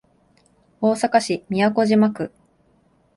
大阪市都島区